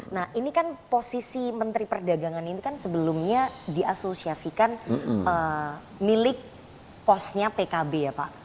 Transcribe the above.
nah ini kan posisi menteri perdagangan ini kan sebelumnya diasosiasikan milik posnya pkb ya pak